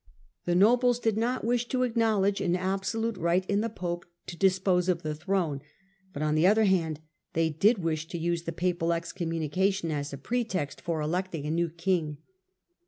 The nobles did not wish to acknowledge an absolute right in the pope to dispose of the throne ; but, on the other hand, they did wish to use the papal excommunication as a pretext for electing a new king.